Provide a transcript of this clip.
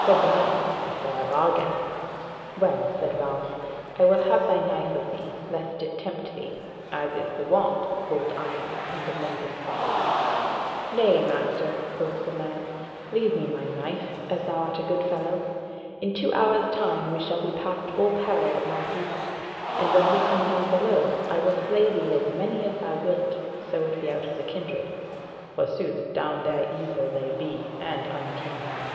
Said the man: "A fair bargain!" "Well," said Ralph, "I will have thy knife of thee, lest it tempt thee, as is the wont of cold iron, and a maiden's body." "Nay, master," quoth the man, "leave me my knife, as thou art a good fellow. In two hours time we shall be past all peril of my people, and when we come down below I will slay thee as many as thou wilt, so it be out of the kindred. Forsooth down there evil they be, and unkinsome."